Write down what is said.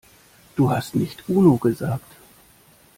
Du hast nicht Uno gesagt.